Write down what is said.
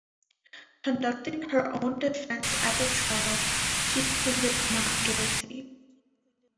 Conducting her own defence at the trial, she pleaded not guilty.